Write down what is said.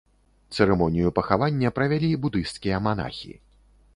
Цырымонію пахавання правялі будысцкія манахі.